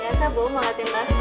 biasa bu mau latihan basket